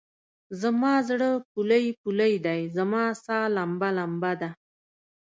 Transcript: زما زړه پولۍ پولۍدی؛ رما سا لمبه لمبه ده